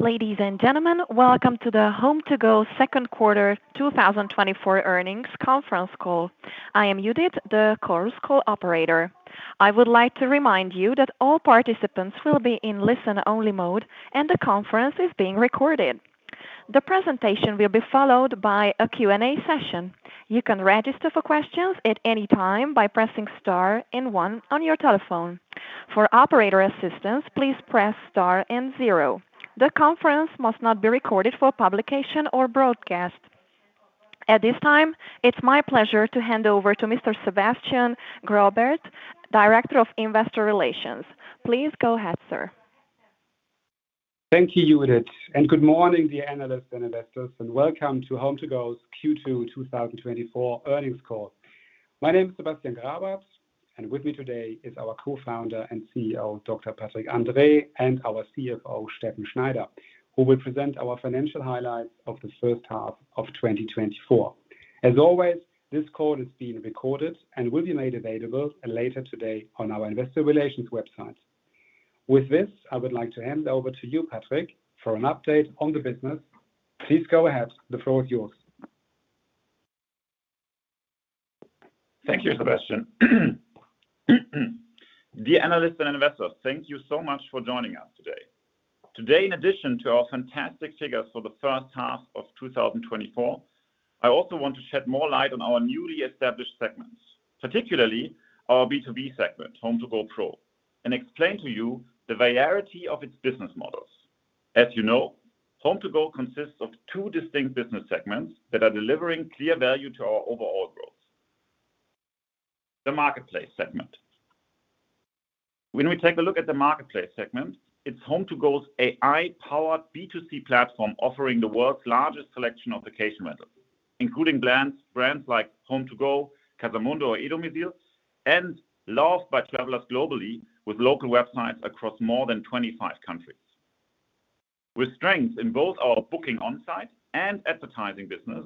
Ladies and gentlemen, welcome to the HomeToGo second quarter 2024 earnings conference call. I am Judith, the Chorus Call operator. I would like to remind you that all participants will be in listen-only mode, and the conference is being recorded. The presentation will be followed by a Q&A session. You can register for questions at any time by pressing star and one on your telephone. For operator assistance, please press star and zero. The conference must not be recorded for publication or broadcast. At this time, it's my pleasure to hand over to Mr. Sebastian Grabert, Director of Investor Relations. Please go ahead, sir. Thank you, Judith, and good morning, dear analysts and investors, and welcome to HomeToGo's Q2 2024 earnings call. My name is Sebastian Grabert, and with me today is our co-founder and CEO, Dr. Patrick Andrae, and our CFO, Steffen Schneider, who will present our financial highlights of the first half of 2024. As always, this call is being recorded and will be made available later today on our investor relations website. With this, I would like to hand over to you, Patrick, for an update on the business. Please go ahead. The floor is yours. Thank you, Sebastian. Dear analysts and investors, thank you so much for joining us today. Today, in addition to our fantastic figures for the first half of 2024, I also want to shed more light on our newly established segments, particularly our B2B segment, HomeToGo Pro, and explain to you the variety of its business models. As you know, HomeToGo consists of two distinct business segments that are delivering clear value to our overall growth. The marketplace segment. When we take a look at the marketplace segment, it's HomeToGo's AI-powered B2C platform, offering the world's largest selection of vacation rentals, including brands, brands like HomeToGo, Casamundo, and e-domizil, and loved by travelers globally, with local websites across more than 25 countries. With strength in both our booking Onsite and advertising business,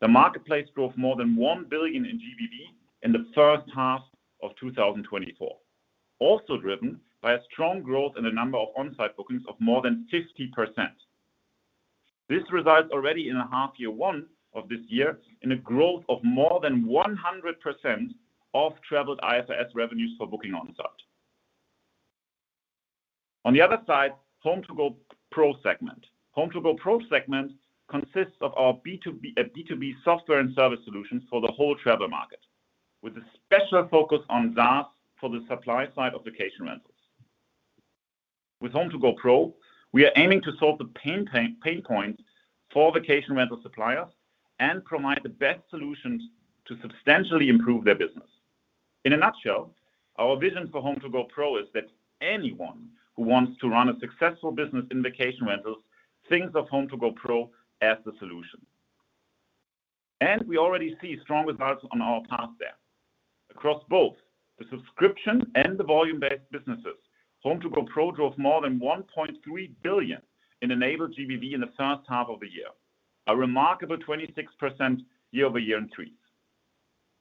the marketplace drove more than 1 billion in GBV in the first half of 2024, also driven by a strong growth in the number of Onsite bookings of more than 50%. This results already in a H1 of this year, in a growth of more than 100% of traveled IFRS revenues for booking on site. On the other side, HomeToGo Pro segment. HomeToGo Pro segment consists of our B2B, B2B software and service solutions for the whole travel market, with a special focus on SaaS for the supply side of vacation rentals. With HomeToGo Pro, we are aiming to solve the pain points for vacation rental suppliers and provide the best solutions to substantially improve their business. In a nutshell, our vision for HomeToGo Pro is that anyone who wants to run a successful business in vacation rentals thinks of HomeToGo Pro as the solution. We already see strong results on our path there. Across both the subscription and the volume-based businesses, HomeToGo Pro drove more than 1.3 billion in enabled GBV in the first half of the year, a remarkable 26% year-over-year increase.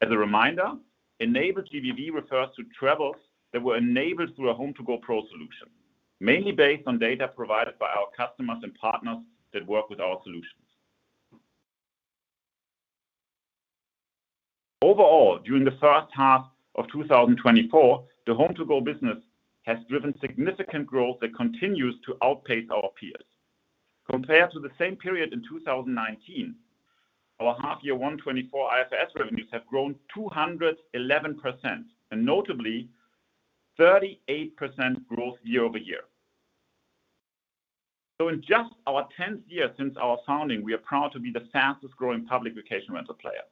As a reminder, enabled GBV refers to travels that were enabled through a HomeToGo Pro solution, mainly based on data provided by our customers and partners that work with our solutions. Overall, during the first half of 2024, the HomeToGo business has driven significant growth that continues to outpace our peers. Compared to the same period in 2019, our half-year 1 2024 IFRS revenues have grown 211%, and notably, 38% growth year-over-year. So in just our 10th year since our founding, we are proud to be the fastest growing public vacation rental player.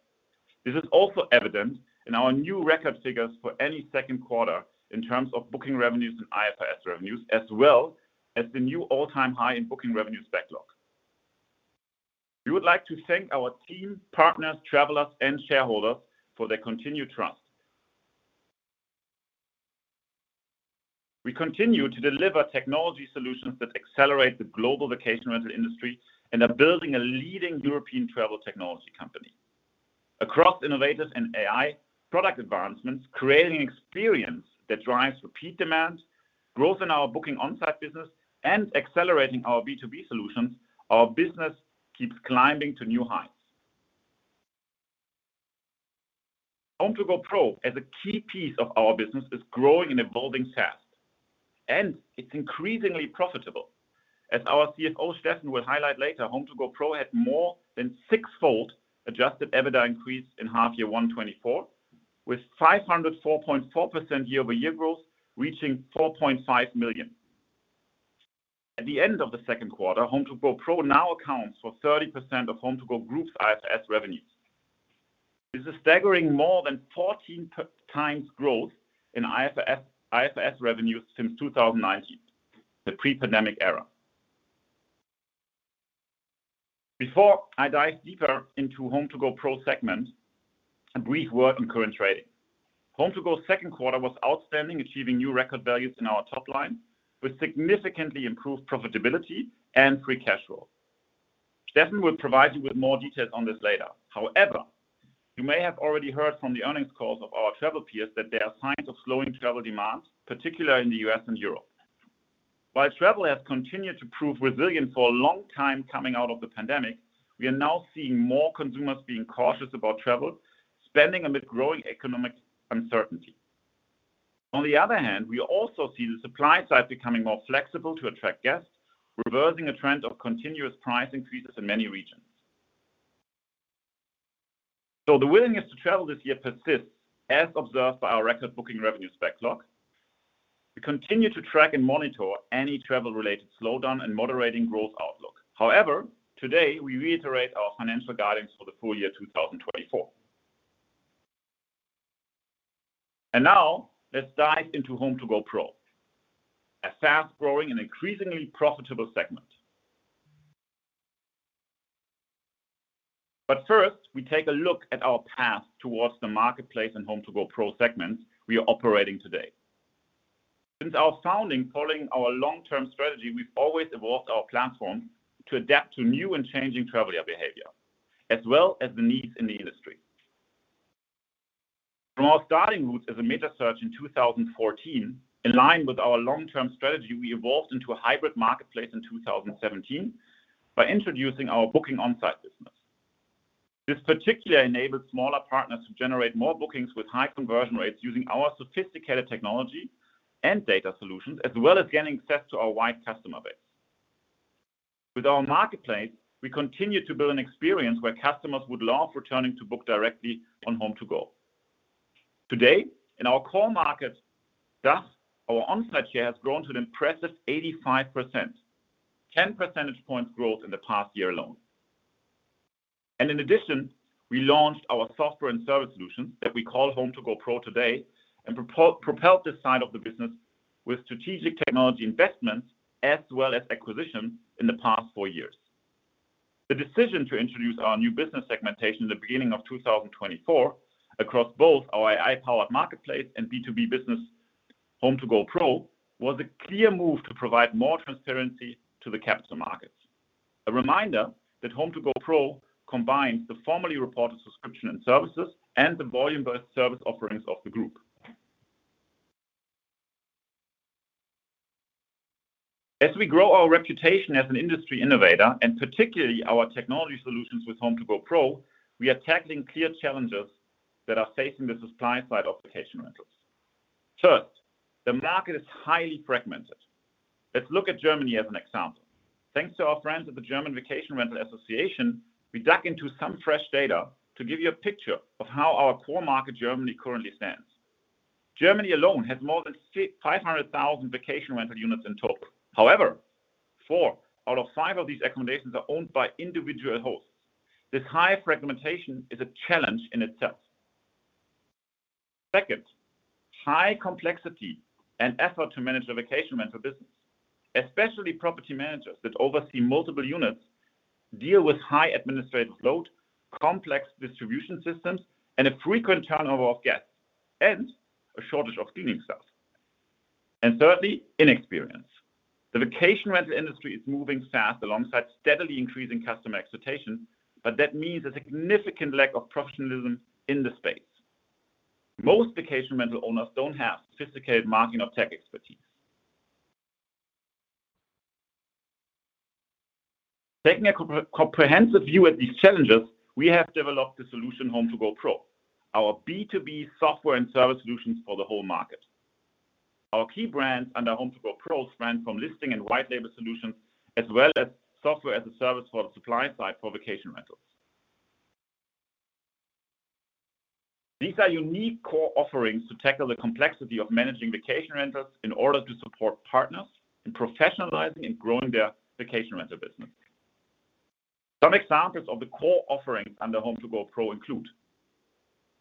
This is also evident in our new record figures for any second quarter in terms of booking revenues and IFRS revenues, as well as the new all-time high in booking revenues backlog. We would like to thank our team, partners, travelers, and shareholders for their continued trust. We continue to deliver technology solutions that accelerate the global vacation rental industry and are building a leading European travel technology company. Across innovators and AI, product advancements, creating experience that drives repeat demand, growth in our booking Onsite business, and accelerating our B2B solutions, our business keeps climbing to new heights. HomeToGo Pro, as a key piece of our business, is growing and evolving fast, and it's increasingly profitable. As our CFO, Steffen, will highlight later, HomeToGo Pro had more than six-fold adjusted EBITDA increase in half year 1 2024, with 504.4% year-over-year growth, reaching 4.5 million. At the end of the second quarter, HomeToGo Pro now accounts for 30% of HomeToGo Group's IFRS revenues. This is a staggering more than 14x growth in IFRS, IFRS revenues since 2019, the pre-pandemic era. Before I dive deeper into HomeToGo Pro segment, a brief word on current trading. HomeToGo's second quarter was outstanding, achieving new record values in our top line, with significantly improved profitability and free cash flow. Steffen will provide you with more details on this later. However, you may have already heard from the earnings calls of our travel peers that there are signs of slowing travel demand, particularly in the U.S. and Europe. While travel has continued to prove resilient for a long time coming out of the pandemic, we are now seeing more consumers being cautious about travel spending amid growing economic uncertainty. On the other hand, we also see the supply side becoming more flexible to attract guests, reversing a trend of continuous price increases in many regions. Though the willingness to travel this year persists, as observed by our record booking revenue backlog, we continue to track and monitor any travel-related slowdown and moderating growth outlook. However, today, we reiterate our financial guidance for the full year 2024. And now, let's dive into HomeToGo Pro, a fast-growing and increasingly profitable segment. But first, we take a look at our path towards the marketplace and HomeToGo Pro segments we are operating today. Since our founding, following our long-term strategy, we've always evolved our platform to adapt to new and changing traveler behavior, as well as the needs in the industry. From our starting roots as a metasearch in 2014, in line with our long-term strategy, we evolved into a hybrid marketplace in 2017 by introducing our booking Onsite business. This particularly enabled smaller partners to generate more bookings with high conversion rates using our sophisticated technology and data solutions, as well as gaining access to our wide customer base. With our marketplace, we continued to build an experience where customers would love returning to book directly on HomeToGo. Today, in our core markets, thus, our Onsite share has grown to an impressive 85%, 10 percentage points growth in the past year alone. In addition, we launched our software and service solutions that we call HomeToGo Pro today, and propelled this side of the business with strategic technology investments as well as acquisition in the past four years. The decision to introduce our new business segmentation at the beginning of 2024 across both our AI-powered marketplace and B2B business, HomeToGo Pro, was a clear move to provide more transparency to the capital markets. A reminder that HomeToGo Pro combines the formerly reported subscription and services and the volume-based service offerings of the group. As we grow our reputation as an industry innovator, and particularly our technology solutions with HomeToGo Pro, we are tackling clear challenges that are facing the supply side of vacation rentals. First, the market is highly fragmented. Let's look at Germany as an example. Thanks to our friends at the German Vacation Rental Association, we dug into some fresh data to give you a picture of how our core market, Germany, currently stands. Germany alone has more than 500,000 vacation rental units in total. However, four out of five of these accommodations are owned by individual hosts. This high fragmentation is a challenge in itself. Second, high complexity and effort to manage a vacation rental business, especially property managers that oversee multiple units, deal with high administrative load, complex distribution systems, and a frequent turnover of guests, and a shortage of cleaning staff. And thirdly, inexperience. The vacation rental industry is moving fast alongside steadily increasing customer expectation, but that means a significant lack of professionalism in the space. Most vacation rental owners don't have sophisticated marketing or tech expertise. Taking a comprehensive view at these challenges, we have developed the solution HomeToGo Pro, our B2B software and service solutions for the whole market. Our key brands under HomeToGo Pro span from listing and white label solutions, as well as software as a service for the supply side for vacation rentals. These are unique core offerings to tackle the complexity of managing vacation rentals in order to support partners in professionalizing and growing their vacation rental business. Some examples of the core offerings under HomeToGo Pro include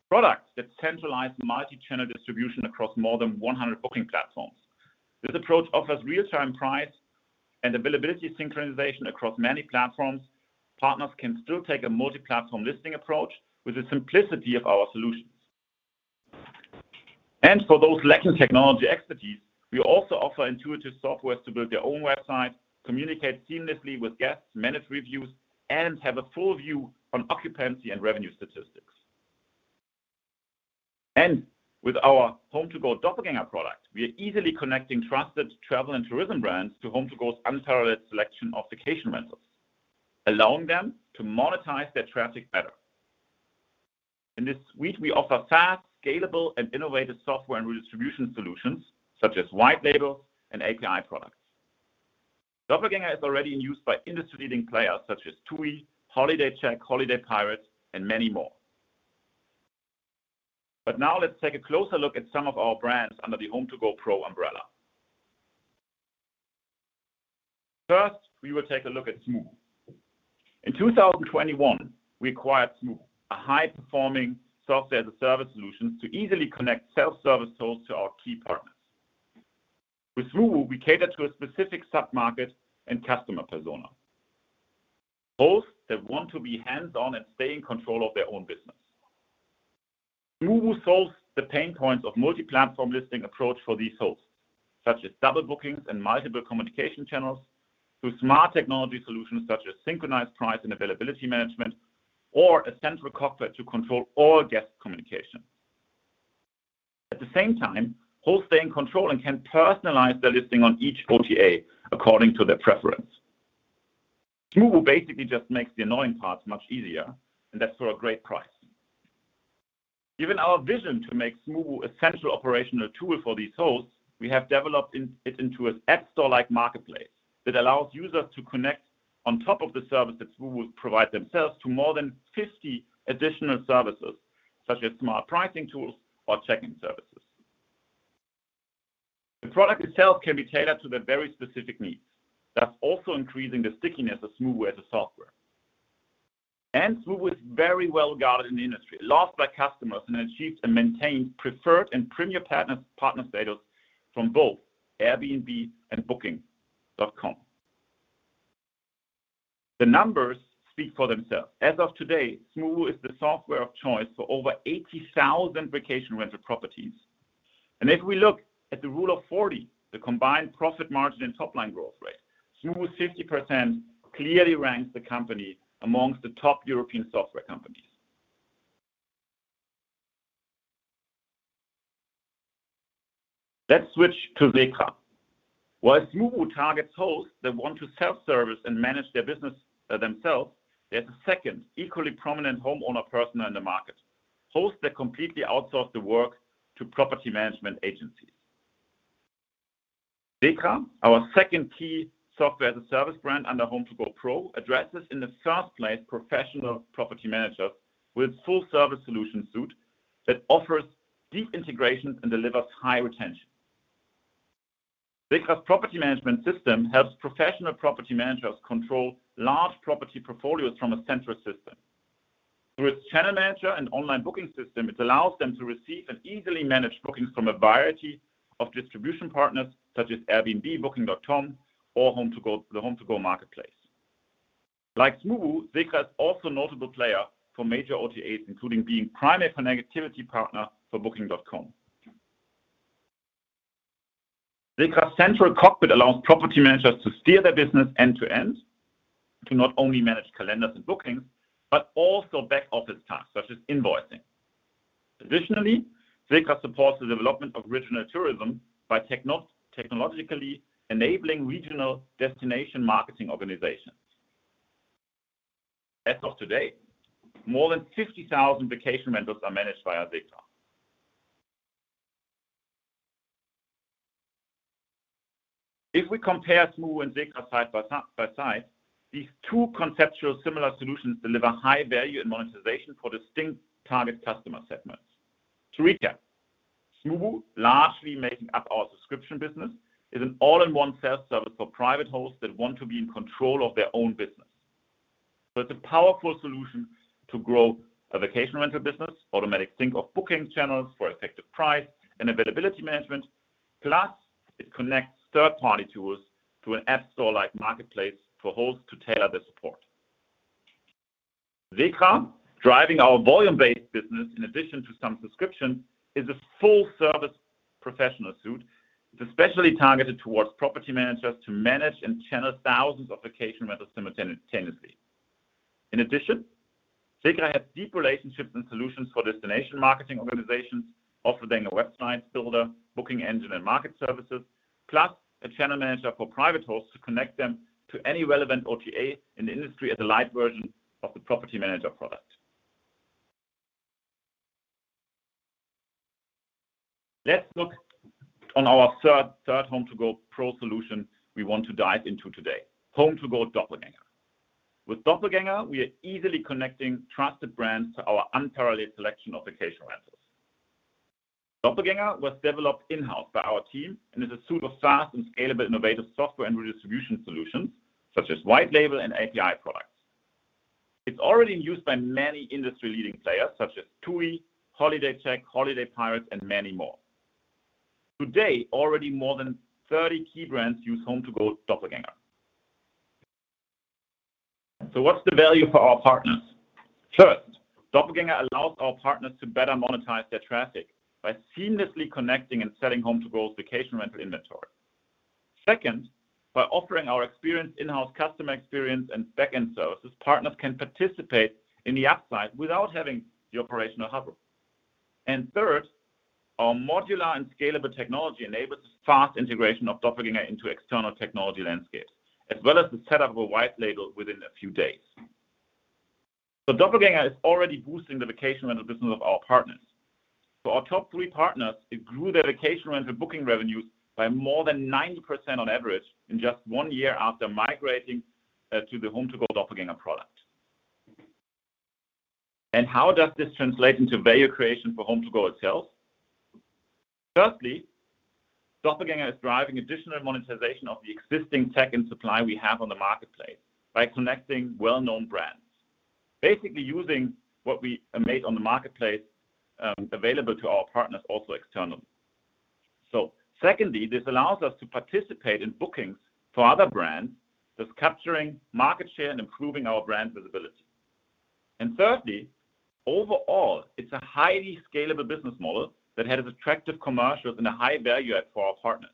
products that centralize multi-channel distribution across more than 100 booking platforms. This approach offers real-time price and availability synchronization across many platforms. Partners can still take a multi-platform listing approach with the simplicity of our solutions. For those lacking technology expertise, we also offer intuitive software to build their own website, communicate seamlessly with guests, manage reviews, and have a full view on occupancy and revenue statistics. With our HomeToGo Doppelgänger product, we are easily connecting trusted travel and tourism brands to HomeToGo's unparalleled selection of vacation rentals, allowing them to monetize their traffic better. In this suite, we offer fast, scalable, and innovative software and redistribution solutions such as white label and API products. Doppelgänger is already in use by industry-leading players such as TUI, HolidayCheck, HolidayPirates, and many more. Now let's take a closer look at some of our brands under the HomeToGo Pro umbrella. First, we will take a look at Smoobu. In 2021, we acquired Smoobu, a high-performing software as a service solution to easily connect self-service tools to our key partners. With Smoobu, we cater to a specific submarket and customer persona, hosts that want to be hands-on and stay in control of their own business.... Smoobu solves the pain points of multi-platform listing approach for these hosts, such as double bookings and multiple communication channels, through smart technology solutions such as synchronized price and availability management, or a central cockpit to control all guest communication. At the same time, hosting control and can personalize their listing on each OTA according to their preference. Smoobu basically just makes the annoying parts much easier, and that's for a great price. Given our vision to make Smoobu essential operational tool for these hosts, we have developed it into an app store-like marketplace, that allows users to connect on top of the service that Smoobu provide themselves to more than 50 additional services, such as smart pricing tools or check-in services. The product itself can be tailored to their very specific needs. That's also increasing the stickiness of Smoobu as a software. Smoobu is very well regarded in the industry, loved by customers, and achieved and maintained Preferred and Premier Partner status from both Airbnb and Booking.com. The numbers speak for themselves. As of today, Smoobu is the software of choice for over 80,000 vacation rental properties. If we look at the Rule of 40, the combined profit margin and top line growth rate, Smoobu's 50% clearly ranks the company amongst the top European software companies. Let's switch to SECRA. While Smoobu targets hosts that want to self-service and manage their business themselves, there's a second equally prominent homeowner person in the market, hosts that completely outsource the work to property management agencies. SECRA, our second key Software as a Service brand under HomeToGo Pro, addresses in the first place professional property managers with full-service solution suite that offers deep integration and delivers high retention. SECRA's property management system helps professional property managers control large property portfolios from a central system. Through its channel manager and online booking system, it allows them to receive and easily manage bookings from a variety of distribution partners, such as Airbnb, Booking.com, or HomeToGo, the HomeToGo Marketplace. Like Smoobu, SECRA is also a notable player for major OTAs, including being primary connectivity partner for Booking.com. SECRA's central cockpit allows property managers to steer their business end-to-end, to not only manage calendars and bookings, but also back-office tasks, such as invoicing. Additionally, SECRA supports the development of regional tourism by technologically enabling regional destination marketing organizations. As of today, more than 50,000 vacation rentals are managed via SECRA. If we compare Smoobu and SECRA side by side, these two conceptually similar solutions deliver high value and monetization for distinct target customer segments. To recap, Smoobu, largely making up our subscription business, is an all-in-one self-service for private hosts that want to be in control of their own business. So it's a powerful solution to grow a vacation rental business, automatic sync of booking channels for effective price and availability management, plus it connects third-party tools to an app store-like marketplace for hosts to tailor their support. SECRA, driving our volume-based business in addition to some subscription, is a full service professional suite. It's especially targeted toward property managers to manage and channel thousands of vacation rentals simultaneously. In addition, SECRA has deep relationships and solutions for destination marketing organizations, offering a website builder, booking engine and market services, plus a channel manager for private hosts to connect them to any relevant OTA in the industry as a light version of the property manager product. Let's look on our third HomeToGo Pro solution we want to dive into today, HomeToGo Doppelgänger. With Doppelgänger, we are easily connecting trusted brands to our unparalleled selection of vacation rentals. Doppelgänger was developed in-house by our team and is a suite of fast and scalable innovative software and redistribution solutions, such as white label and API products. It's already in use by many industry-leading players, such as TUI, HolidayCheck, HolidayPirates, and many more. Today, already more than 30 key brands use HomeToGo Doppelgänger. So what's the value for our partners? First, Doppelgänger allows our partners to better monetize their traffic by seamlessly connecting and selling HomeToGo's vacation rental inventory. Second, by offering our experience in-house customer experience and back-end services, partners can participate in the upside without having the operational hassle. And third, our modular and scalable technology enables fast integration of Doppelgänger into external technology landscapes, as well as the setup of a white label within a few days. So Doppelgänger is already boosting the vacation rental business of our partners. For our top three partners, it grew their vacation rental booking revenues by more than 90% on average in just one year after migrating to the HomeToGo Doppelgänger product. And how does this translate into value creation for HomeToGo itself? Firstly, Doppelgänger is driving additional monetization of the existing tech and supply we have on the marketplace by connecting well-known brands, basically using what we made on the marketplace, available to our partners also externally. So secondly, this allows us to participate in bookings for other brands, thus capturing market share and improving our brand visibility. And thirdly, overall, it's a highly scalable business model that has attractive commercials and a high value add for our partners.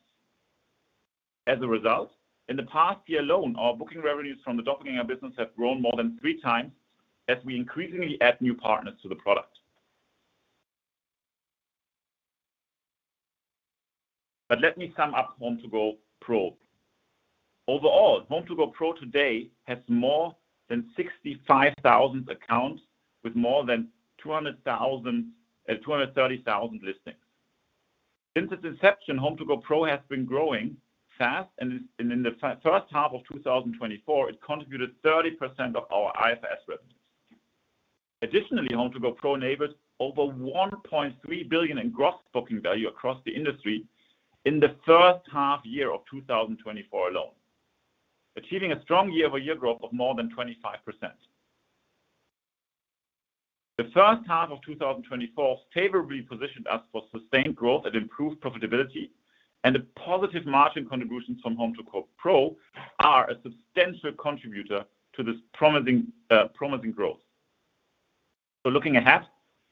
As a result, in the past year alone, our booking revenues from the Doppelgänger business have grown more than three times, as we increasingly add new partners to the product. But let me sum up HomeToGo Pro. Overall, HomeToGo Pro today has more than 65,000 accounts, with more than 230,000 listings. Since its inception, HomeToGo Pro has been growing fast, and in the first half of 2024, it contributed 30% of our IFRS revenues. Additionally, HomeToGo Pro enabled over 1.3 billion in gross booking value across the industry in the first half of 2024 alone, achieving a strong year-over-year growth of more than 25%. The first half of 2024 favorably positioned us for sustained growth and improved profitability, and the positive margin contributions from HomeToGo Pro are a substantial contributor to this promising growth. So looking ahead,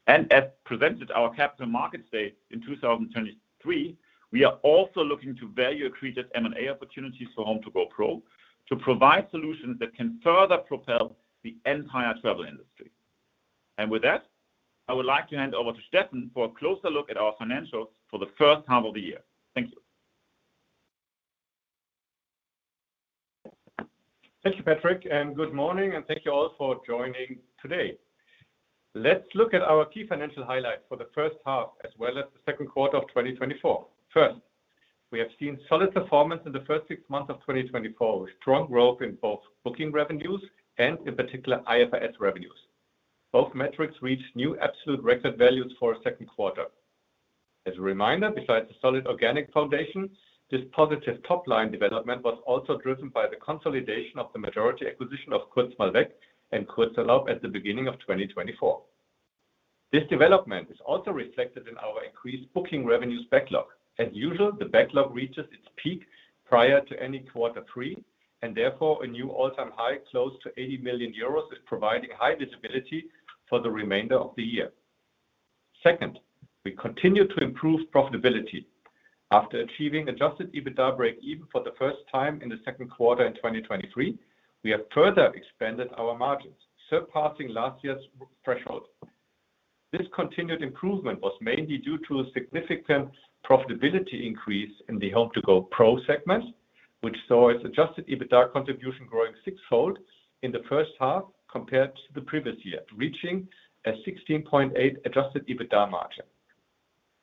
and as presented at our Capital Markets Day in 2023, we are also looking to value accretive M&A opportunities for HomeToGo Pro to provide solutions that can further propel the entire travel industry. With that, I would like to hand over to Steffen for a closer look at our financials for the first half of the year. Thank you. Thank you, Patrick, and good morning, and thank you all for joining today. Let's look at our key financial highlights for the first half, as well as the second quarter of 2024. First, we have seen solid performance in the first six months of 2024, with strong growth in both booking revenues and, in particular, IFRS revenues. Both metrics reached new absolute record values for a second quarter. As a reminder, besides the solid organic foundation, this positive top-line development was also driven by the consolidation of the majority acquisition of Kurz-mal-weg and Kurzurlaub at the beginning of 2024. This development is also reflected in our increased booking revenues backlog. As usual, the backlog reaches its peak prior to any quarter three, and therefore, a new all-time high, close to 80 million euros, is providing high visibility for the remainder of the year. Second, we continue to improve profitability. After achieving adjusted EBITDA break-even for the first time in the second quarter in 2023, we have further expanded our margins, surpassing last year's threshold. This continued improvement was mainly due to a significant profitability increase in the HomeToGo Pro segment, which saw its adjusted EBITDA contribution growing six-fold in the first half compared to the previous year, reaching a 16.8 adjusted EBITDA margin.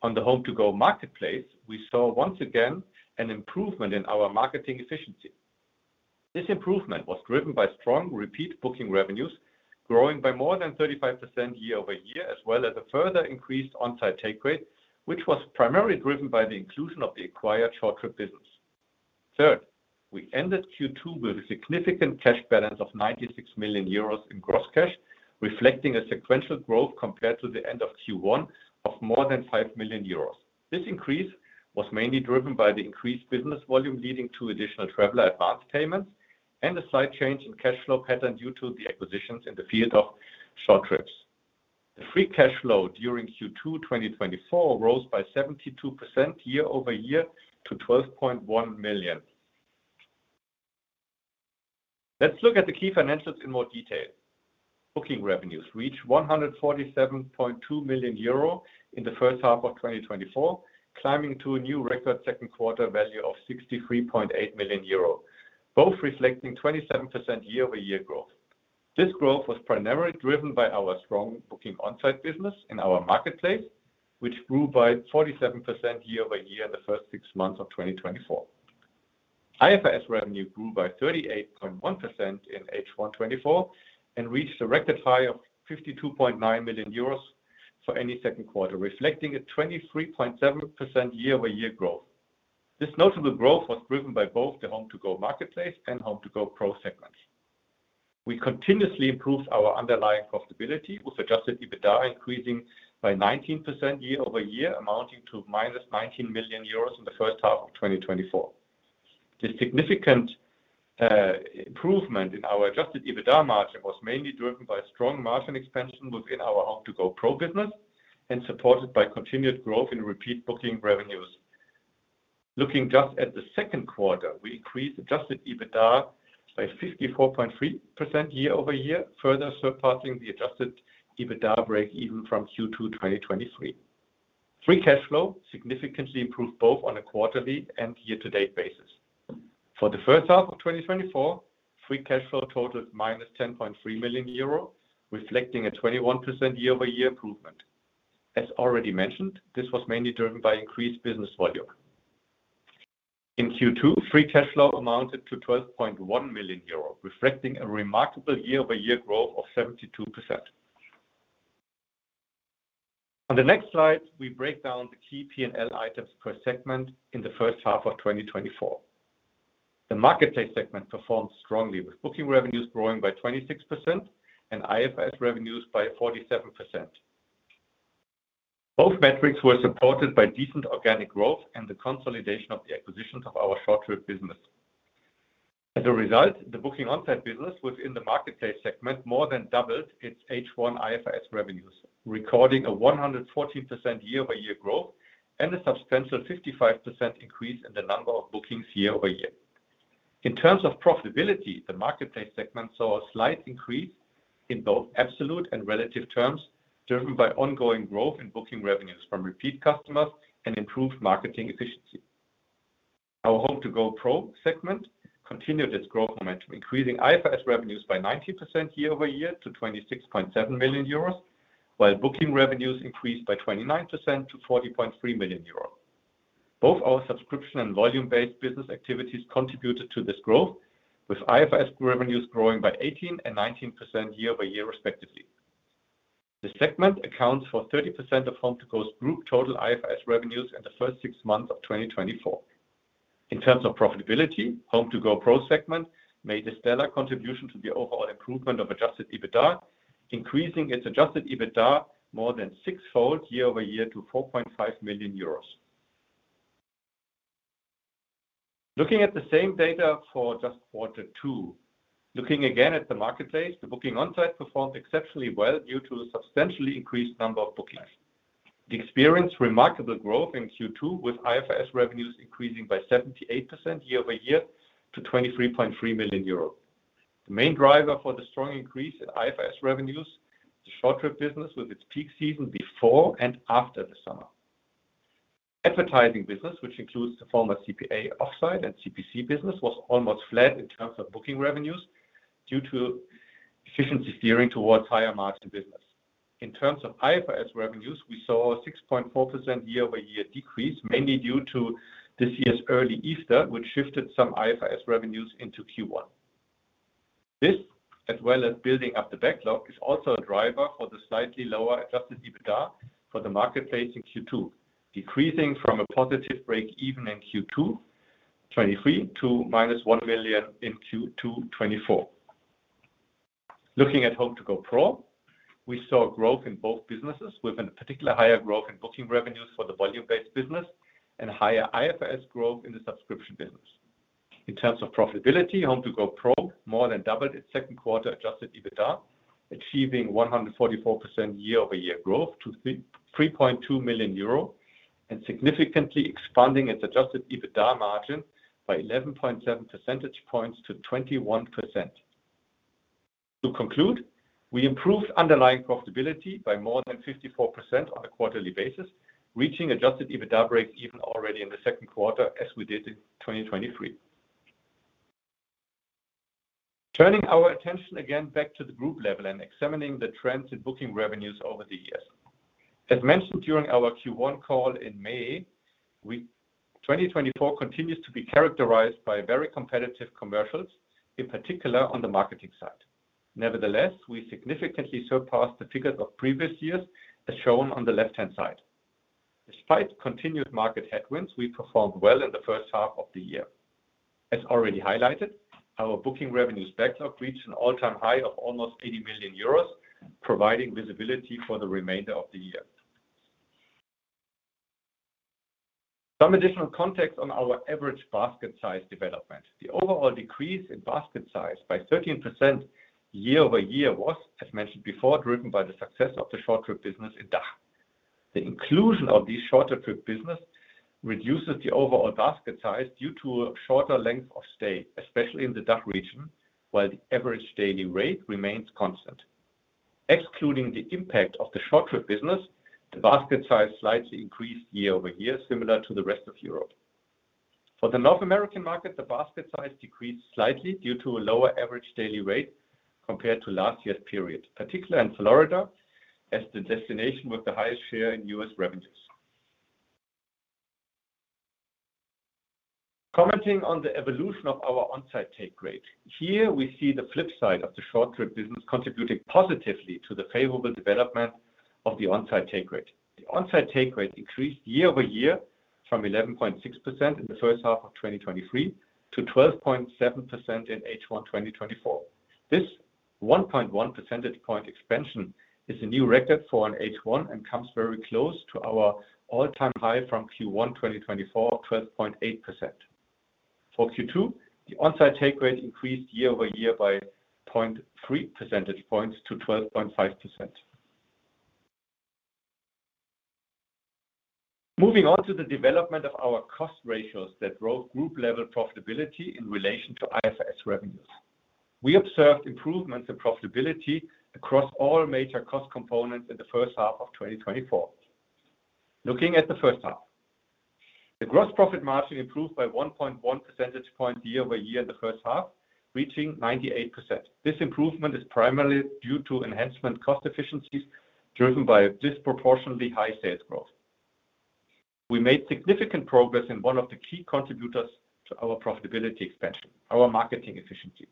On the HomeToGo Marketplace, we saw once again an improvement in our marketing efficiency. This improvement was driven by strong repeat booking revenues, growing by more than 35% year-over-year, as well as a further increased Onsite take rate, which was primarily driven by the inclusion of the acquired short trip business. Third, we ended Q2 with a significant cash balance of 96 million euros in gross cash, reflecting a sequential growth compared to the end of Q1 of more than 5 million euros. This increase was mainly driven by the increased business volume, leading to additional traveler advance payments and a slight change in cash flow pattern due to the acquisitions in the field of short trips. The free cash flow during Q2 2024 rose by 72% year-over-year to EUR 12.1 million. Let's look at the key financials in more detail. Booking revenues reached 147.2 million euro in the first half of 2024, climbing to a new record second quarter value of 63.8 million euro, both reflecting 27% year-over-year growth. This growth was primarily driven by our strong booking Onsite business in our marketplace, which grew by 47% year-over-year in the first six months of 2024. IFRS revenue grew by 38.1% in H1 2024 and reached a record high of 52.9 million euros for any second quarter, reflecting a 23.7% year-over-year growth. This notable growth was driven by both the HomeToGo Marketplace and HomeToGo Pro segments. We continuously improved our underlying profitability, with Adjusted EBITDA increasing by 19% year-over-year, amounting to -19 million euros in the first half of 2024. The significant improvement in our Adjusted EBITDA margin was mainly driven by strong margin expansion within our HomeToGo Pro business and supported by continued growth in repeat booking revenues. Looking just at the second quarter, we increased adjusted EBITDA by 54.3% year-over-year, further surpassing the adjusted EBITDA break-even from Q2 2023. Free cash flow significantly improved both on a quarterly and year-to-date basis. For the first half of 2024, free cash flow totaled -10.3 million euro, reflecting a 21% year-over-year improvement. As already mentioned, this was mainly driven by increased business volume. In Q2, free cash flow amounted to 12.1 million euros, reflecting a remarkable year-over-year growth of 72%. On the next slide, we break down the key P&L items per segment in the first half of 2024... The marketplace segment performed strongly, with booking revenues growing by 26% and IFRS revenues by 47%. Both metrics were supported by decent organic growth and the consolidation of the acquisitions of our short-trip business. As a result, the booking Onsite business within the marketplace segment more than doubled its H1 IFRS revenues, recording a 114% year-over-year growth and a substantial 55% increase in the number of bookings year-over-year. In terms of profitability, the marketplace segment saw a slight increase in both absolute and relative terms, driven by ongoing growth in booking revenues from repeat customers and improved marketing efficiency. Our HomeToGo Pro segment continued its growth momentum, increasing IFRS revenues by 90% year-over-year to 26.7 million euros, while booking revenues increased by 29% to 40.3 million euros. Both our subscription and volume-based business activities contributed to this growth, with IFRS revenues growing by 18% and 19% year-over-year, respectively. The segment accounts for 30% of HomeToGo's group total IFRS revenues in the first six months of 2024. In terms of profitability, HomeToGo Pro segment made a stellar contribution to the overall improvement of adjusted EBITDA, increasing its adjusted EBITDA more than sixfold year-over-year to 4.5 million euros. Looking at the same data for just quarter two, looking again at the marketplace, the booking Onsite performed exceptionally well due to a substantially increased number of bookings. It experienced remarkable growth in Q2, with IFRS revenues increasing by 78% year-over-year to 23.3 million euros. The main driver for the strong increase in IFRS revenues, the short-trip business with its peak season before and after the summer. Advertising business, which includes the former CPA offsite and CPC business, was almost flat in terms of booking revenues due to efficiency steering towards higher margin business. In terms of IFRS revenues, we saw a 6.4% year-over-year decrease, mainly due to this year's early Easter, which shifted some IFRS revenues into Q1. This, as well as building up the backlog, is also a driver for the slightly lower adjusted EBITDA for the marketplace in Q2, decreasing from a positive break even in Q2 2023 to -1 million in Q2 2024. Looking at HomeToGo Pro, we saw growth in both businesses, with in particular, higher growth in booking revenues for the volume-based business and higher IFRS growth in the subscription business. In terms of profitability, HomeToGo Pro more than doubled its second quarter Adjusted EBITDA, achieving 144% year-over-year growth to 3.2 million euro, and significantly expanding its Adjusted EBITDA margin by 11.7 percentage points to 21%. To conclude, we improved underlying profitability by more than 54% on a quarterly basis, reaching Adjusted EBITDA break even already in the second quarter, as we did in 2023. Turning our attention again back to the group level and examining the trends in booking revenues over the years. As mentioned during our Q1 call in May, 2024 continues to be characterized by very competitive commercials, in particular on the marketing side. Nevertheless, we significantly surpassed the figures of previous years, as shown on the left-hand side. Despite continued market headwinds, we performed well in the first half of the year. As already highlighted, our booking revenues backlog reached an all-time high of almost 80 million euros, providing visibility for the remainder of the year. Some additional context on our average basket size development. The overall decrease in basket size by 13% year-over-year was, as mentioned before, driven by the success of the short-trip business in DACH. The inclusion of these shorter trip business reduces the overall basket size due to a shorter length of stay, especially in the DACH region, while the average daily rate remains constant. Excluding the impact of the short-trip business, the basket size slightly increased year-over-year, similar to the rest of Europe. For the North American market, the basket size decreased slightly due to a lower average daily rate compared to last year's period, particularly in Florida, as the destination with the highest share in U.S. revenues. Commenting on the evolution of our Onsite take rate. Here we see the flip side of the short-trip business contributing positively to the favorable development of the Onsite take rate. The Onsite take rate increased year-over-year from 11.6% in the first half of 2023, to 12.7% in H1 2024. This 1.1 percentage point expansion is a new record for an H1 and comes very close to our all-time high from Q1 2024, 12.8%. For Q2, the Onsite take rate increased year-over-year by 0.3 percentage points to 12.5%. Moving on to the development of our cost ratios that drove group-level profitability in relation to IFRS Revenues. We observed improvements in profitability across all major cost components in the first half of 2024. Looking at the first half, the gross profit margin improved by 1.1 percentage points year-over-year in the first half, reaching 98%. This improvement is primarily due to enhancement cost efficiencies, driven by a disproportionately high sales growth. We made significant progress in one of the key contributors to our profitability expansion, our marketing efficiency....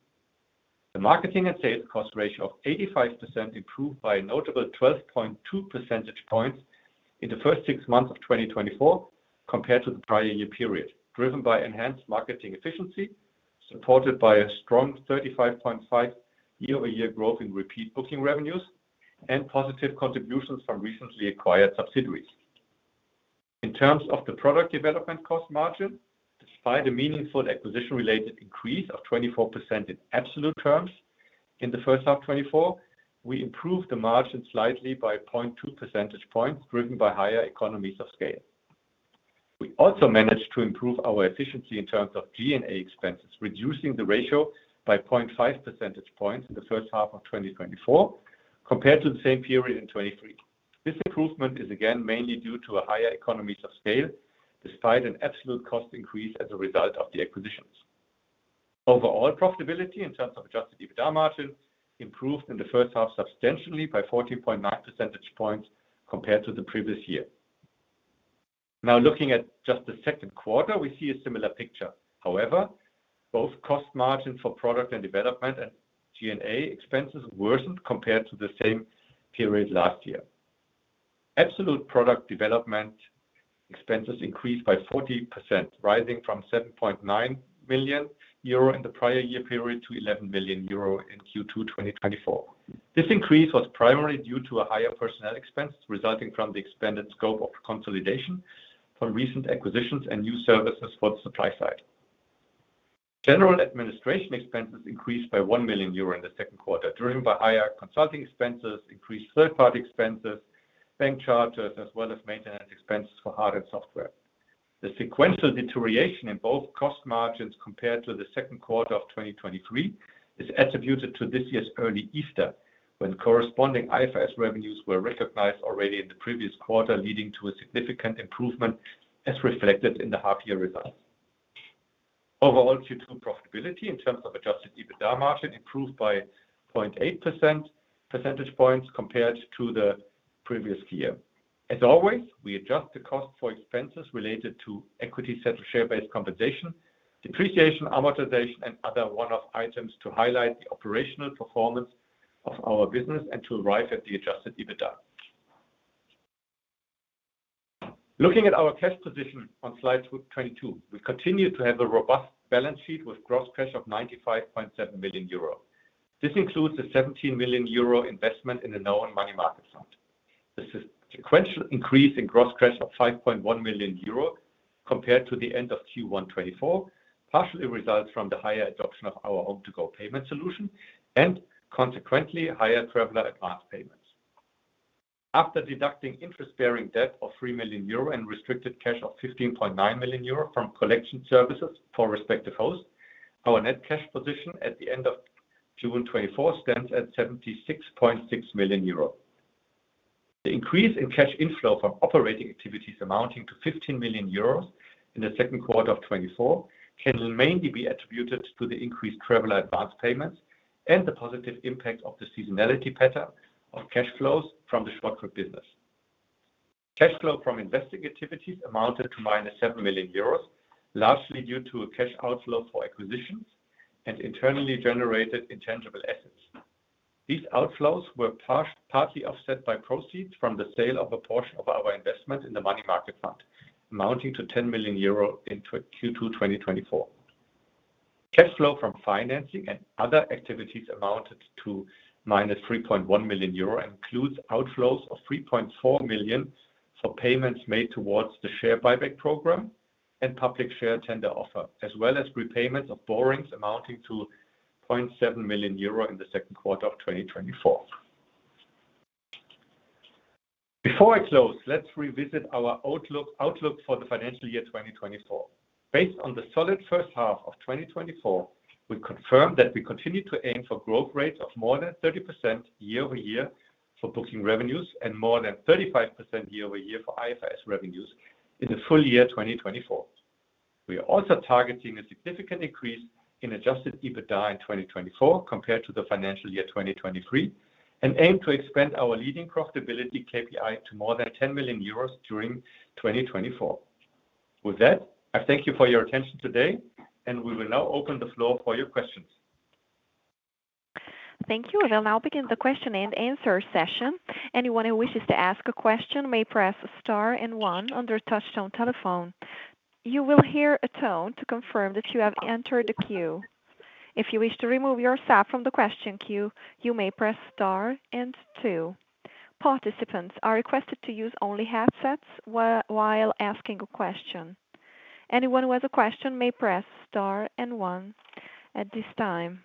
The marketing and sales cost ratio of 85% improved by a notable 12.2 percentage points in the first six months of 2024, compared to the prior year period, driven by enhanced marketing efficiency, supported by a strong 35.5 year-over-year growth in repeat booking revenues and positive contributions from recently acquired subsidiaries. In terms of the product development cost margin, despite a meaningful acquisition-related increase of 24% in absolute terms in the first half of 2024, we improved the margin slightly by 0.2 percentage points, driven by higher economies of scale. We also managed to improve our efficiency in terms of G&A expenses, reducing the ratio by 0.5 percentage points in the first half of 2024 compared to the same period in 2023. This improvement is again, mainly due to a higher economies of scale, despite an absolute cost increase as a result of the acquisitions. Overall profitability in terms of Adjusted EBITDA margin, improved in the first half substantially by 14.9 percentage points compared to the previous year. Now, looking at just the second quarter, we see a similar picture. However, both cost margins for product and development and G&A expenses worsened compared to the same period last year. Absolute product development expenses increased by 40%, rising from 7.9 million euro in the prior year period to 11 million euro in Q2 2024. This increase was primarily due to a higher personnel expense, resulting from the expanded scope of consolidation from recent acquisitions and new services for the supply side. General administration expenses increased by 1 million euro in the second quarter, driven by higher consulting expenses, increased third-party expenses, bank charges, as well as maintenance expenses for hardware and software. The sequential deterioration in both cost margins compared to the second quarter of 2023 is attributed to this year's early Easter, when corresponding IFRS revenues were recognized already in the previous quarter, leading to a significant improvement as reflected in the half-year results. Overall, Q2 profitability in terms of adjusted EBITDA margin improved by 0.8 percentage points compared to the previous year. As always, we adjust the cost for expenses related to equity-settled share-based compensation, depreciation, amortization, and other one-off items to highlight the operational performance of our business and to arrive at the adjusted EBITDA. Looking at our cash position on slide 22, we continue to have a robust balance sheet with gross cash of 95.7 million euro. This includes a 17 million euro investment in the now money market fund. This is sequential increase in gross cash of 5.1 million euros compared to the end of Q1 2024, partially results from the higher adoption of our HomeToGo payment solution and consequently, higher traveler advance payments. After deducting interest-bearing debt of 3 million euro and restricted cash of 15.9 million euro from collection services for respective hosts, our net cash position at the end of June 2024 stands at 76.6 million euro. The increase in cash inflow from operating activities amounting to 15 million euros in the second quarter of 2024 can mainly be attributed to the increased traveler advance payments and the positive impact of the seasonality pattern of cash flows from the short trip business. Cash flow from investing activities amounted to -7 million euros, largely due to a cash outflow for acquisitions and internally generated intangible assets. These outflows were partly offset by proceeds from the sale of a portion of our investment in the money market fund, amounting to 10 million euro in Q2 2024. Cash flow from financing and other activities amounted to -3.1 million euro, includes outflows of 3.4 million for payments made towards the share buyback program and public share tender offer, as well as repayments of borrowings amounting to 0.7 million euro in the second quarter of 2024. Before I close, let's revisit our outlook, outlook for the financial year 2024. Based on the solid first half of 2024, we confirm that we continue to aim for growth rates of more than 30% year-over-year for booking revenues and more than 35% year-over-year for IFRS revenues in the full year 2024. We are also targeting a significant increase in Adjusted EBITDA in 2024 compared to the financial year 2023, and aim to expand our leading profitability KPI to more than 10 million euros during 2024. With that, I thank you for your attention today, and we will now open the floor for your questions. Thank you. We will now begin the question and answer session. Anyone who wishes to ask a question may press star and one on their touchtone telephone. You will hear a tone to confirm that you have entered the queue. If you wish to remove yourself from the question queue, you may press star and two. Participants are requested to use only headsets while asking a question. Anyone who has a question may press star and one at this time.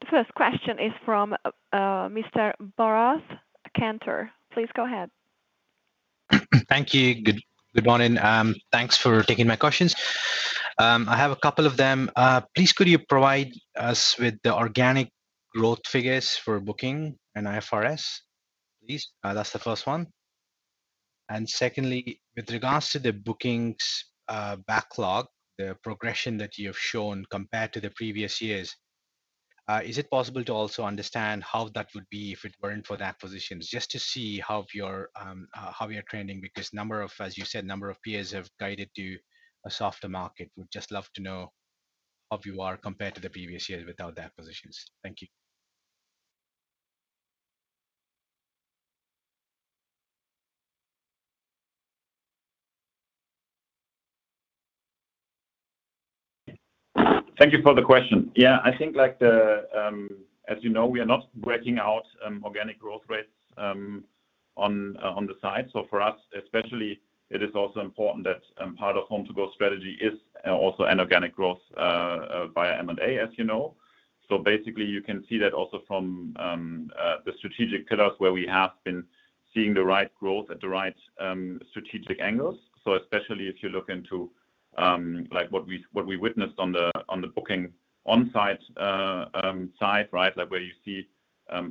The first question is from Mr. Bharath Nagaraj. Please go ahead. Thank you. Good, good morning. Thanks for taking my questions. I have a couple of them. Please, could you provide us with the organic growth figures for booking and IFRS, please? That's the first one. And secondly, with regards to the bookings, backlog, the progression that you have shown compared to the previous years-.. is it possible to also understand how that would be if it weren't for the acquisitions? Just to see how your, how you're trending, because number of, as you said, number of peers have guided to a softer market. We'd just love to know how you are compared to the previous years without the acquisitions. Thank you. Thank you for the question. Yeah, I think like the, as you know, we are not breaking out, organic growth rates, on, on the side. So for us, especially, it is also important that, part of HomeToGo strategy is, also an organic growth, via M&A, as you know. So basically, you can see that also from, the strategic pillars, where we have been seeing the right growth at the right, strategic angles. So especially if you look into, like, what we witnessed on the, on the booking Onsite, side, right? Like, where you see,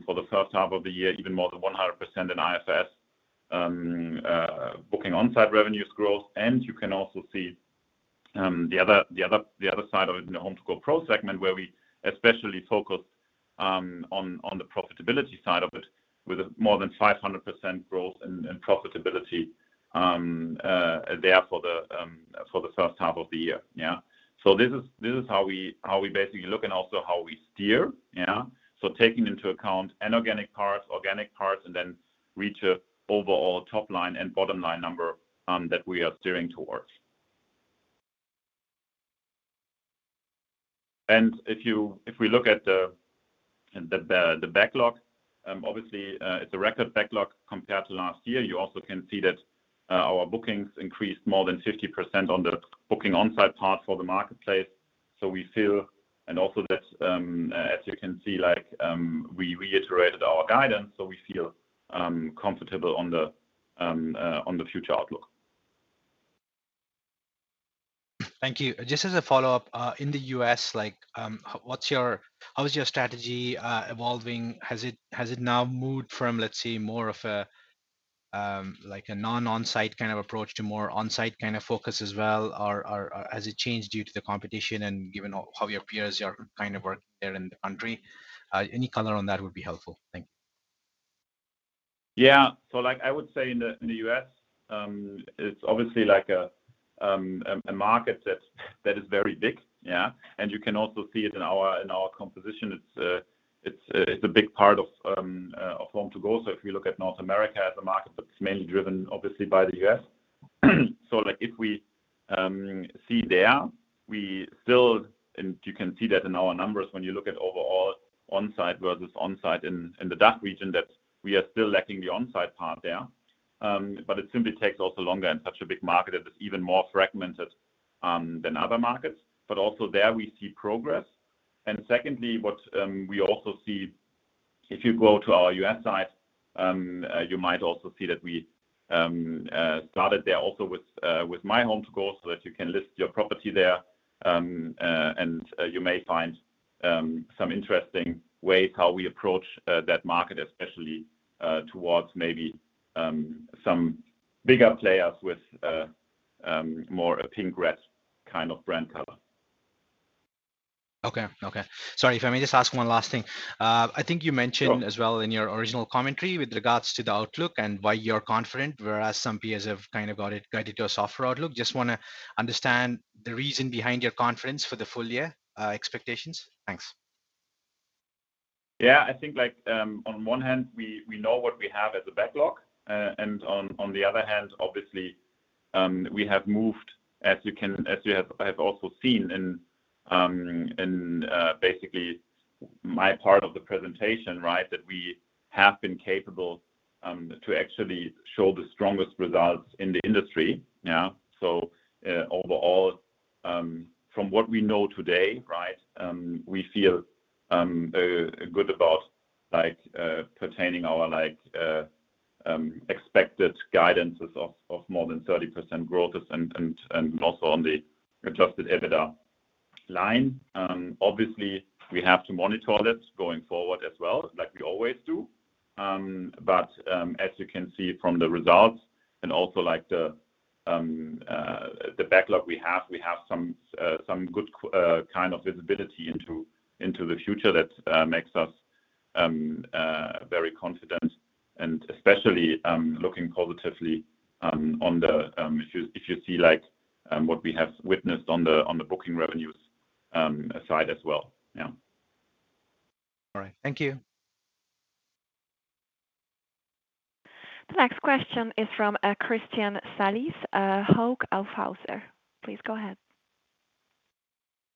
for the first half of the year, even more than 100% in IFRS, booking Onsite revenues growth. And you can also see, the other side of it in the HomeToGo Pro segment, where we especially focus, on the profitability side of it, with more than 500% growth and profitability there for the first half of the year. Yeah. So this is, this is how we basically look and also how we steer, yeah? So taking into account inorganic parts, organic parts, and then reach an overall top line and bottom line number, that we are steering towards. And if we look at the backlog, obviously, it's a record backlog compared to last year. You also can see that, our bookings increased more than 50% on the booking Onsite part for the marketplace. So we feel... Also that, as you can see, like, we reiterated our guidance, so we feel comfortable on the future outlook. Thank you. Just as a follow-up, in the U.S., like, what's your, how is your strategy evolving? Has it now moved from, let's say, more of a like a non-Onsite kind of approach to more Onsite kind of focus as well? Or has it changed due to the competition and given how your peers are kind of work there in the country? Any color on that would be helpful. Thank you. Yeah. So like, I would say in the U.S., it's obviously like a market that is very big. Yeah. And you can also see it in our composition. It's a big part of HomeToGo. So if you look at North America as a market, but it's mainly driven obviously by the U.S. So like, if we see there, we still, and you can see that in our numbers when you look at overall Onsite versus Onsite in the DACH region, that we are still lacking the Onsite part there. But it simply takes also longer in such a big market that is even more fragmented than other markets. But also there, we see progress. And secondly, what we also see, if you go to our U.S. site, you might also see that we started there also with My HomeToGo, so that you can list your property there. And you may find some interesting ways how we approach that market, especially towards maybe some bigger players with more a pink-red kind of brand color. Okay. Okay. Sorry, if I may just ask one last thing. I think you mentioned- Sure... as well in your original commentary with regards to the outlook and why you're confident, whereas some peers have kind of got it guided to a softer outlook. Just wanna understand the reason behind your confidence for the full year, expectations. Thanks. Yeah. I think, like, on one hand, we know what we have as a backlog. And on the other hand, obviously, we have moved, as you can, as you have also seen in, in, basically my part of the presentation, right? That we have been capable, to actually show the strongest results in the industry. Yeah. So, overall, from what we know today, right, we feel, good about, like, pertaining our expected guidances of more than 30% growth and also on the Adjusted EBITDA line. Obviously, we have to monitor that going forward as well, like we always do. But, as you can see from the results and also like the backlog we have, we have some good kind of visibility into the future that makes us very confident, and especially looking positively on the... If you see, like, what we have witnessed on the Booking Revenues side as well. Yeah. All right. Thank you. The next question is from, Christian Salis, Hauck & Aufhäuser. Please go ahead.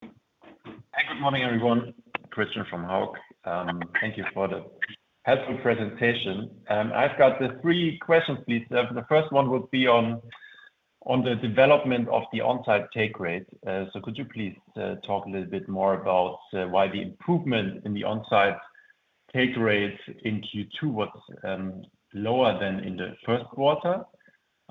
Hey, good morning, everyone. Christian from Hauck. Thank you for the helpful presentation. I've got three questions, please. The first one would be on the development of the Onsite take rate. So could you please talk a little bit more about why the improvement in the Onsite take rate in Q2 was lower than in the first quarter?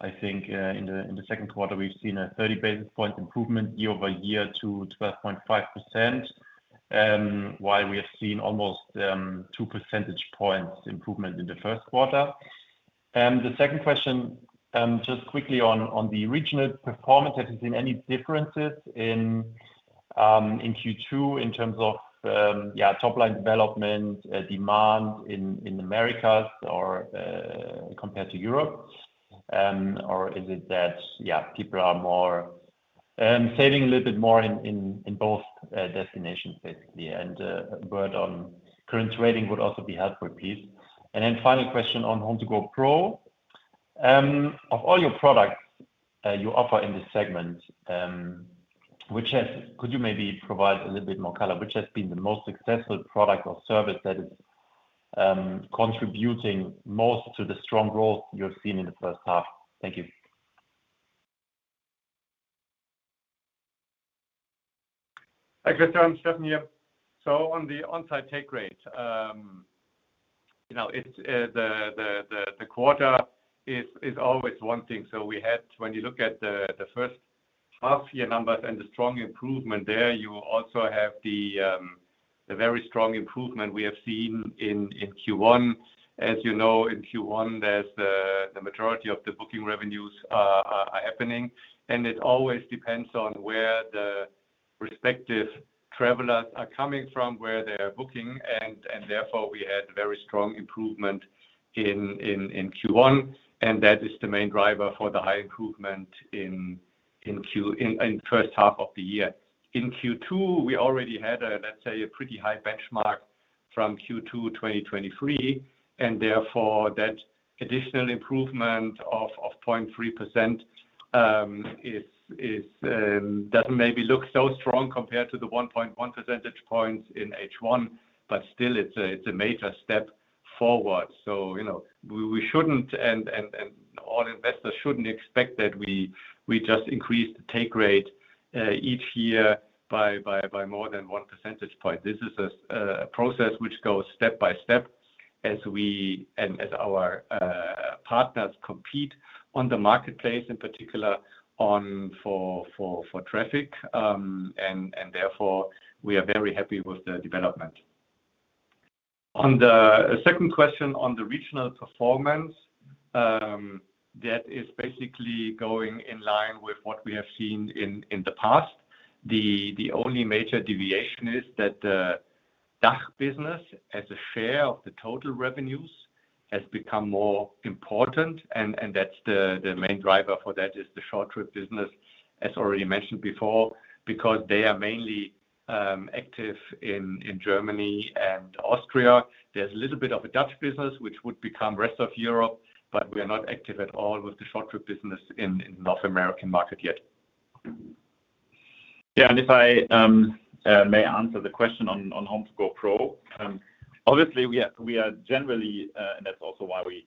I think in the second quarter, we've seen a 30 basis point improvement year-over-year to 12.5%, while we have seen almost 2 percentage points improvement in the first quarter.... And the second question, just quickly on the regional performance, have you seen any differences in Q2 in terms of top-line development, demand in Americas or compared to Europe? Or is it that people are more saving a little bit more in both destinations, basically? Word on current trading would also be helpful, please. And then final question on HomeToGo Pro. Of all your products you offer in this segment, could you maybe provide a little bit more color? Which has been the most successful product or service that is contributing most to the strong growth you've seen in the first half? Thank you. Hi, Christian. Steffen here. So on the Onsite take rate, you know, it's the quarter is always one thing. So we had... When you look at the first half-year numbers and the strong improvement there, you also have the very strong improvement we have seen in Q1. As you know, in Q1, there's the majority of the booking revenues are happening, and it always depends on where the respective travelers are coming from, where they are booking, and therefore, we had very strong improvement in Q1, and that is the main driver for the high improvement in first half of the year. In Q2, we already had a, let's say, a pretty high benchmark from Q2 2023, and therefore, that additional improvement of 0.3% is. Doesn't maybe look so strong compared to the 1.1 percentage points in H1, but still it's a major step forward. So, you know, we shouldn't, and all investors shouldn't expect that we just increase the take rate each year by more than 1 percentage point. This is a process which goes step by step as we and as our partners compete on the marketplace, in particular, for traffic. Therefore, we are very happy with the development. On the second question, on the regional performance, that is basically going in line with what we have seen in the past. The only major deviation is that the DACH business, as a share of the total revenues, has become more important, and that's the main driver for that is the short-trip business, as already mentioned before, because they are mainly active in Germany and Austria. There's a little bit of a DACH business which would become rest of Europe, but we are not active at all with the short-trip business in the North American market yet. Yeah, and if I may answer the question on HomeToGo Pro. Obviously, we are, we are generally. And that's also why we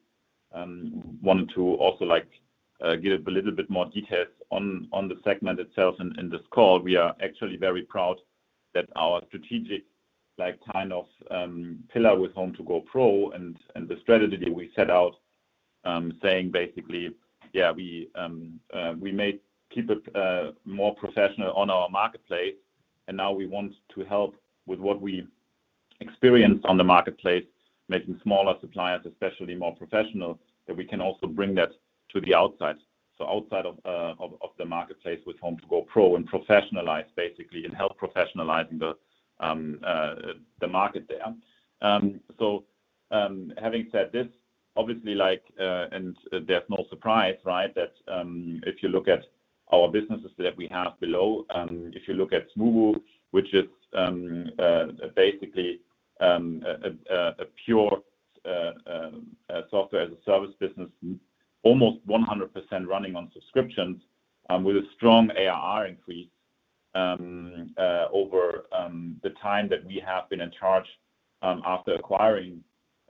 wanted to also, like, give a little bit more details on the segment itself in this call. We are actually very proud that our strategic, like, kind of, pillar with HomeToGo Pro and the strategy we set out, saying basically, yeah, we made people more professional on our marketplace, and now we want to help with what we experience on the marketplace, making smaller suppliers, especially more professional, that we can also bring that to the outside. So outside of the marketplace with HomeToGo Pro and professionalize basically, and help professionalizing the market there. So, having said this, obviously, like, and there's no surprise, right? That, if you look at our businesses that we have below, if you look at Smoobu, which is basically a pure software as a service business, almost 100% running on subscriptions, with a strong ARR increase over the time that we have been in charge after acquiring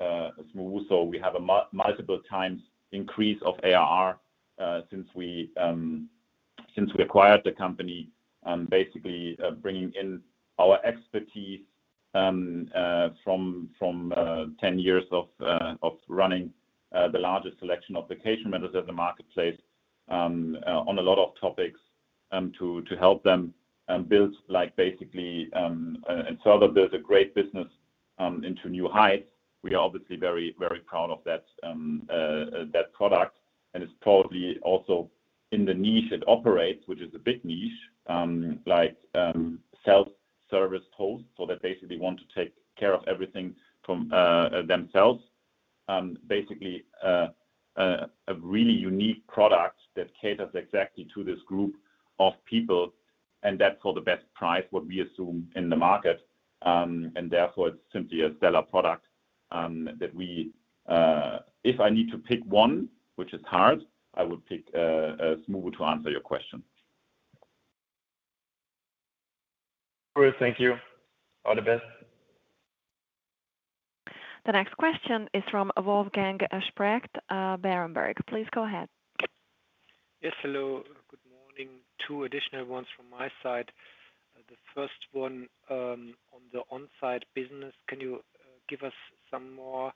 Smoobu. So we have a multiple times increase of ARR since we acquired the company, basically, bringing in our expertise from 10 years of running the largest selection of vacation rentals at the marketplace on a lot of topics to help them build, like, basically, and so that there's a great business into new heights. We are obviously very, very proud of that product, and it's probably also in the niche it operates, which is a big niche, like self-service host. So they basically want to take care of everything from themselves. Basically, a really unique product that caters exactly to this group of people, and that's for the best price, what we assume in the market. Therefore, it's simply a seller product that we... If I need to pick one, which is hard, I would pick Smoobu to answer your question. Great. Thank you. All the best. The next question is from Wolfgang Specht, Berenberg. Please go ahead. Yes, hello. Good morning. Two additional ones from my side. The first one, on the Onsite business, can you give us some more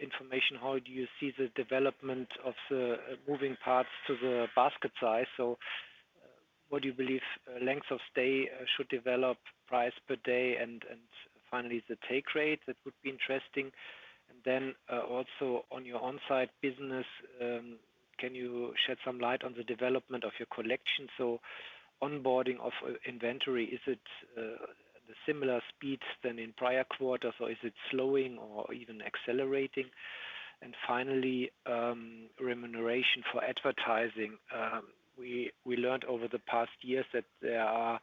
information? How do you see the development of the moving parts to the basket size? What do you believe lengths of stay should develop, price per day, and finally, the take rate? That would be interesting. And then, also on your Onsite business, can you shed some light on the development of your collection? So onboarding of inventory, is it the similar speeds than in prior quarters, or is it slowing or even accelerating? And finally, remuneration for advertising. We learned over the past years that there are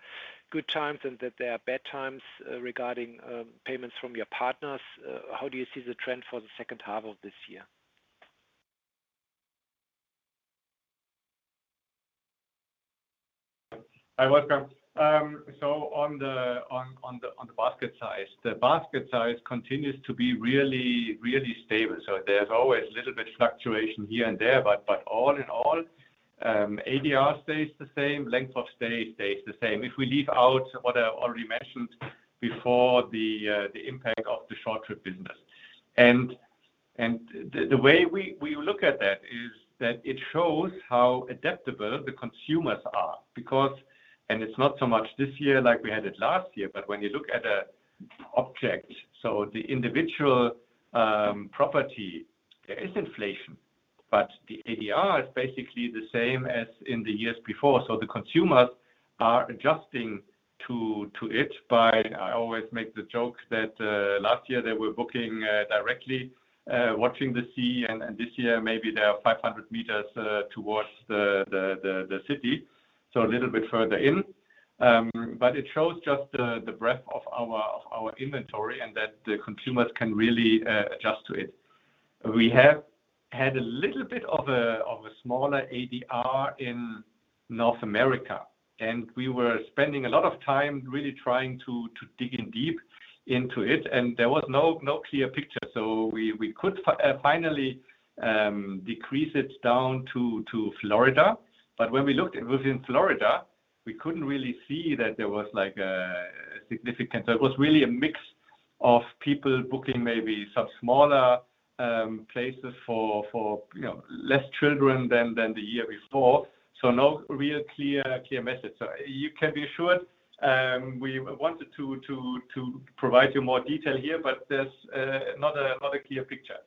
good times and that there are bad times regarding payments from your partners. How do you see the trend for the second half of this year? Hi, welcome. So on the basket size, the basket size continues to be really, really stable. So there's always a little bit fluctuation here and there, but all in all, ADR stays the same, length of stay stays the same. If we leave out what I already mentioned before, the impact of the short-trip business. And the way we look at that is that it shows how adaptable the consumers are, because... And it's not so much this year like we had it last year, but when you look at a object, so the individual property, there is inflation, but the ADR is basically the same as in the years before. So the consumers are adjusting to it by. I always make the joke that last year, they were booking directly watching the sea, and this year, maybe they are 500 meters towards the city, so a little bit further in. But it shows just the breadth of our inventory and that the consumers can really adjust to it. We have had a little bit of a smaller ADR in North America, and we were spending a lot of time really trying to dig in deep into it, and there was no clear picture. So we could finally decrease it down to Florida, but when we looked within Florida, we couldn't really see that there was like a significant... So it was really a mix of people booking maybe some smaller places for, you know, less children than the year before, so no real clear message. So you can be assured we wanted to provide you more detail here, but there's not a clear picture.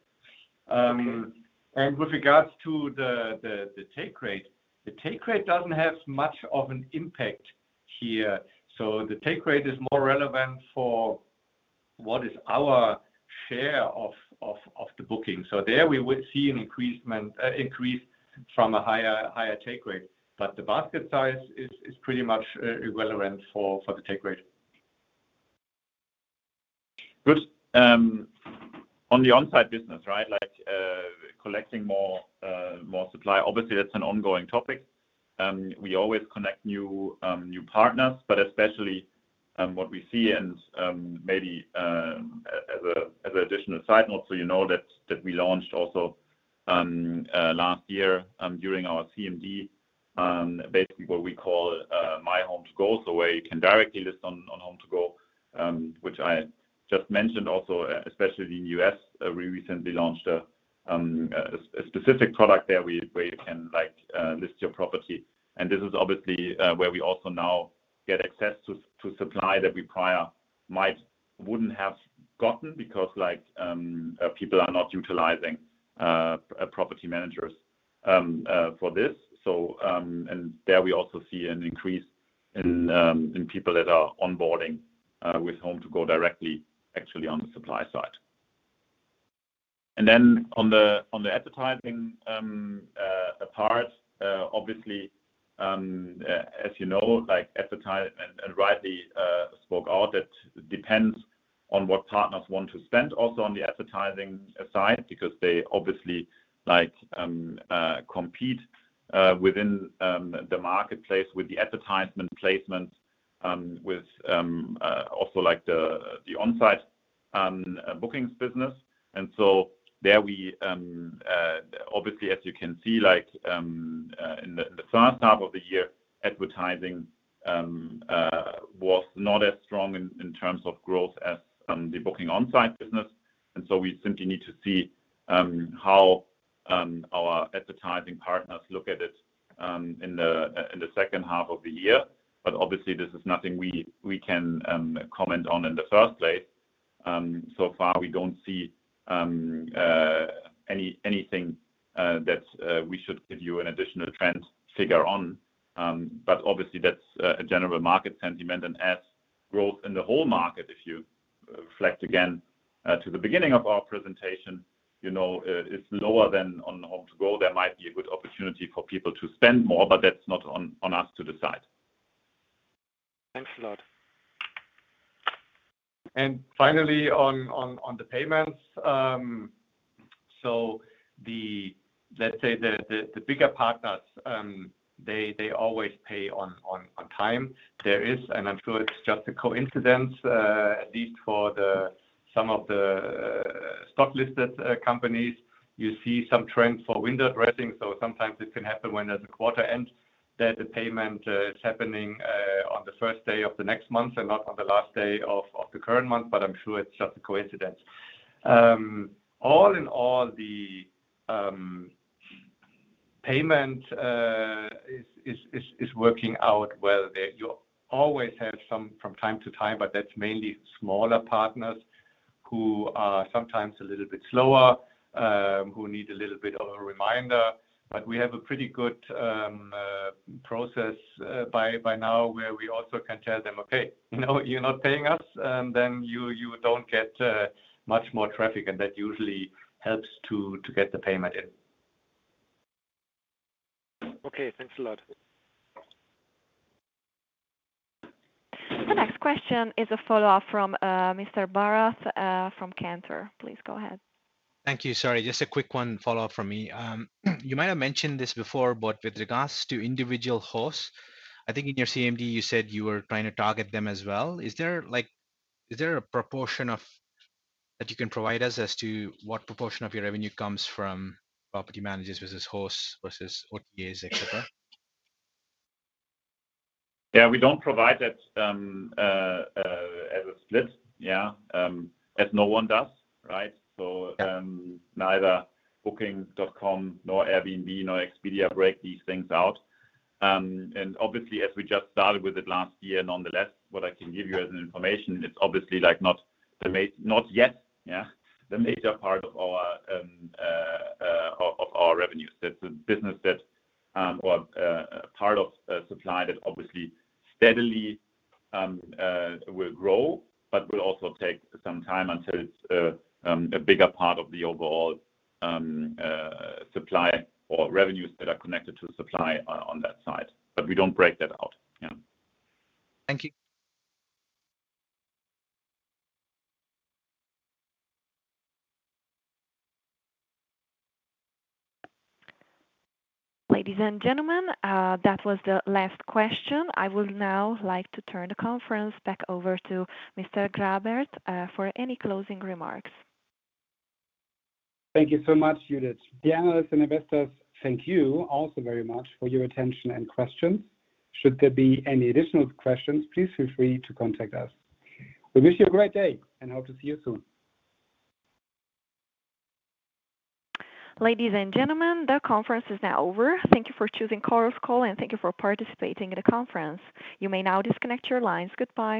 And with regards to the take rate, the take rate doesn't have much of an impact here. So the take rate is more relevant for what is our share of the booking. So there we would see an increasement—increase from a higher take rate, but the basket size is pretty much irrelevant for the take rate. Good. On the Onsite business, right, like, collecting more, more supply, obviously, that's an ongoing topic. We always connect new, new partners, but especially, what we see and, maybe, as a, as an additional side note, so you know that, that we launched also, last year, during our CMD, basically what we call, My HomeToGo, so where you can directly list on, on HomeToGo, which I just mentioned also, especially in U.S., we recently launched a, a specific product there, where, where you can, like, list your property. And this is obviously, where we also now get access to, to supply that we prior might wouldn't have gotten because, like, people are not utilizing, property managers, for this. So there we also see an increase in people that are onboarding with HomeToGo directly, actually on the supply side. And then on the advertising part, obviously, as you know, like advertising and rightly spoke out, it depends on what partners want to spend also on the advertising side, because they obviously, like, compete within the marketplace with the advertisement placement with also like the Onsite bookings business. And so there we obviously, as you can see, like, in the first half of the year, advertising was not as strong in terms of growth as the booking Onsite business, and so we simply need to see how our advertising partners look at it in the second half of the year. But obviously, this is nothing we can comment on in the first place. So far, we don't see anything that we should give you an additional trend figure on. But obviously, that's a general market sentiment. And as growth in the whole market, if you reflect again to the beginning of our presentation, you know, it's lower than on HomeToGo. There might be a good opportunity for people to spend more, but that's not on us to decide. Thanks a lot. And finally, on the payments, so the... Let's say the bigger partners, they always pay on time. There is, and I'm sure it's just a coincidence, at least for some of the stock-listed companies, you see some trend for window dressing, so sometimes it can happen when there's a quarter end, that the payment is happening the first day of the next month and not on the last day of the current month, but I'm sure it's just a coincidence. All in all, the payment is working out well there. You always have some from time to time, but that's mainly smaller partners who are sometimes a little bit slower, who need a little bit of a reminder. But we have a pretty good process by now, where we also can tell them, "Okay, you know, you're not paying us, and then you don't get much more traffic," and that usually helps to get the payment in. Okay, thanks a lot. The next question is a follow-up from Mr. Bharath from Cantor. Please go ahead. Thank you. Sorry, just a quick one follow-up from me. You might have mentioned this before, but with regards to individual hosts, I think in your CMD, you said you were trying to target them as well. Is there like... Is there a proportion that you can provide us as to what proportion of your revenue comes from property managers versus hosts versus OTAs, et cetera? Yeah, we don't provide that, as a split, yeah, as no one does, right? Yeah. So, neither Booking.com, nor Airbnb, nor Expedia break these things out. And obviously, as we just started with it last year, nonetheless, what I can give you as an information, it's obviously, like, not yet, yeah, the major part of our revenue. That's a business that, a part of supply that obviously steadily will grow, but will also take some time until it's a bigger part of the overall supply or revenues that are connected to supply on that side. But we don't break that out. Yeah. Thank you. Ladies and gentlemen, that was the last question. I would now like to turn the conference back over to Mr. Grabert, for any closing remarks. Thank you so much, Judith. The analysts and investors, thank you also very much for your attention and questions. Should there be any additional questions, please feel free to contact us. We wish you a great day, and hope to see you soon. Ladies and gentlemen, the conference is now over. Thank you for choosing Chorus Call, and thank you for participating in the conference. You may now disconnect your lines. Goodbye.